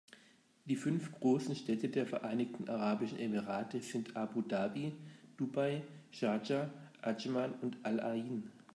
Die fünf großen Städte der Vereinigten Arabischen Emirate sind Abu Dhabi, Dubai, Schardscha, Adschman und Al-Ain.